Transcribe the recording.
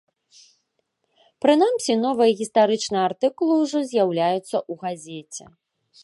Прынамсі, новыя гістарычныя артыкулы ўжо з'яўляюцца ў газеце.